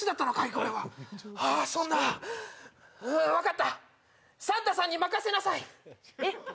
これはあーそんなわかったサンタさんに任せなさいえっ？